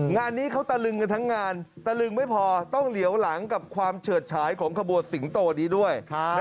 งานนี้เขาตะลึงกันทั้งงานตะลึงไม่พอต้องเหลียวหลังกับความเฉิดฉายของขบวนสิงโตนี้ด้วย